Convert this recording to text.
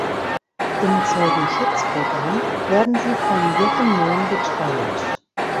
Im Zeugenschutzprogramm werden sie von Jochen Mohn betreut.